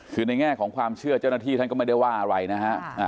คือในแง่ของความเชื่อเจ้าหน้าที่ท่านก็ไม่ได้ว่าอะไรนะฮะ